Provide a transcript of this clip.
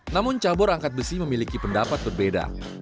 namun cabur angkat besi memiliki pendapat berbeda